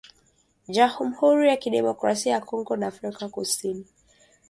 jamhuri ya kidemokrasia ya Kongo na Afrika kusini